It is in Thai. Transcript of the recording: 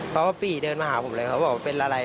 เขาก็ปี่เดินมาหาผมเลยเขาบอกว่าเป็นอะไร